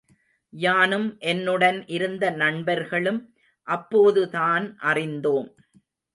யானும் என்னுடன் இருந்த நண்பர்களும் அப்போதுதான் அறிந்தோம்.